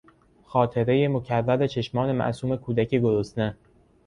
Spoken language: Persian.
خاطرهی مکرر چشمان معصوم کودک گرسنه